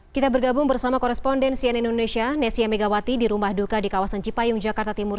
kita bergabung bersama korespondensian indonesia nesya megawati di rumah duka di kawasan cipayung jakarta timur